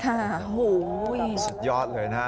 ค่ะสุดยอดเลยนะ